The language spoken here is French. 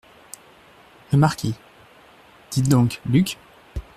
Le Marquis - Dites donc, Luc ?